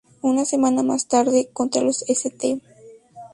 Una semana más tarde, contra los St.